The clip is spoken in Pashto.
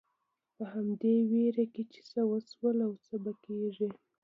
په همدې وېره کې چې څه وشول او څه به کېږي.